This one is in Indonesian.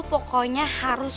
gue mau pokoknya harus